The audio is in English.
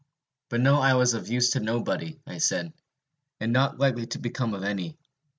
But now I was of use to nobody, I said, and not likely to become of any.